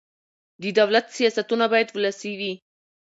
د دولت سیاستونه باید ولسي وي